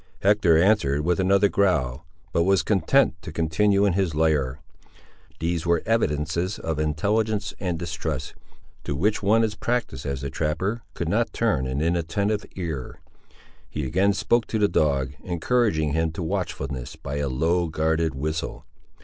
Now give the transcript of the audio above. Hector answered with another growl, but was content to continue in his lair. These were evidences of intelligence and distrust, to which one as practised as the trapper could not turn an inattentive ear. He again spoke to the dog, encouraging him to watchfulness, by a low guarded whistle.